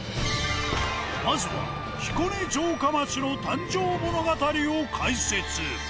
まずは彦根城下町の誕生物語を解説。